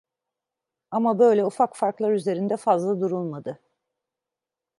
Ama böyle ufak farklar üzerinde fazla durulmadı.